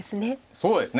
そうですね。